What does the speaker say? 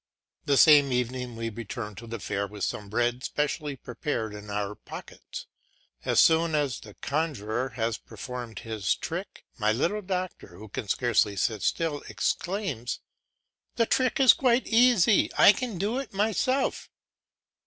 The same evening we return to the fair with some bread specially prepared in our pockets, and as soon as the conjuror has performed his trick, my little doctor, who can scarcely sit still, exclaims, "The trick is quite easy; I can do it myself."